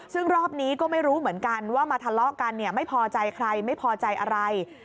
ซึ่งรอบนี้ก็ไม่รู้เหมือนกันว่ามาทะเลาะกันเนี่ยไม่พอใจใครไม่พอใจอะไร